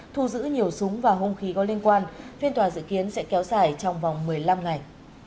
thu giữ nhiều súng và hung khí có liên quan phiên tòa dự kiến sẽ kéo xảy trong vòng một mươi năm ngày